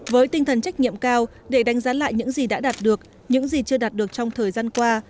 với tinh thần trách nhiệm cao để đánh giá lại những gì đã đạt được những gì chưa đạt được trong thời gian qua